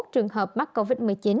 trường hợp mắc covid một mươi chín